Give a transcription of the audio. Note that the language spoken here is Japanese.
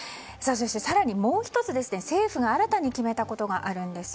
更にもう１つ、政府が新たに決めたことがあるんです。